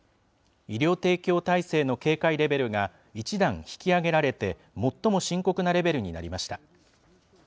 医療提供体制の警戒レベルが１段引き上げられて、最も深刻なレベルになりました。